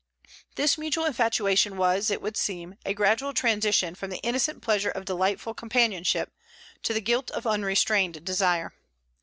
This mutual infatuation was, it would seem, a gradual transition from the innocent pleasure of delightful companionship to the guilt of unrestrained desire.